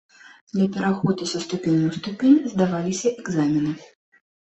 Для пераходу са ступені ў ступень здаваліся экзамены.